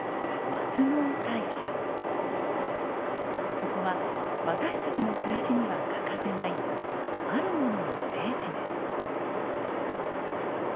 ここは私たちの暮らしには欠かせないあるものの聖地です。